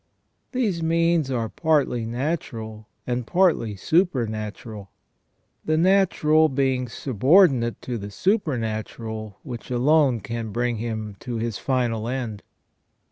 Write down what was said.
These means are partly natural and partly supernatural, the natural being subordinate to the supernatural, which alone can bring him to his final end.